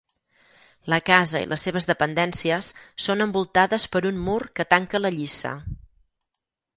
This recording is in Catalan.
La casa i les seves dependències són envoltades per un mur que tanca la lliça.